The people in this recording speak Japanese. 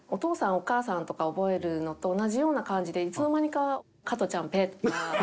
「お母さん」とか覚えるのと同じような感じでいつの間にか。